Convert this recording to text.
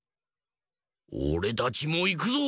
おれたちもいくぞ！